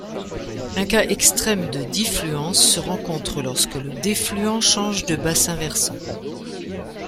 Un cas extrême de diffluence se rencontre lorsque le défluent change de bassin versant.